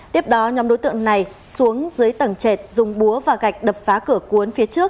tiếp đó nhóm đối tượng này xuống dưới tầng chệt dùng búa và gạch đập phá cửa cuốn phía trước